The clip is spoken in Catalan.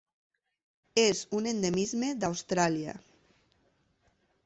És un endemisme d'Austràlia.